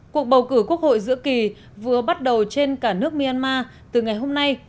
cuộc bầu cử quốc hội giữa kỳ vừa bắt đầu trên cả nước myanmar từ ngày hôm nay